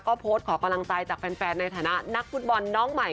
ก็โพสต์ขอกำลังใจจากแฟนในฐานะนักฟุตบอลน้องใหม่